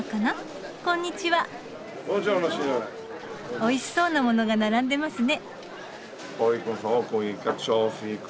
おいしそうな物が並んでますね。